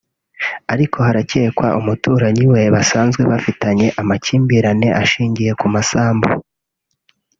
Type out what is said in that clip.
ariko haracyekwa umuturanyi we basanzwe bafitanye amakimbirane ashingiye ku masambu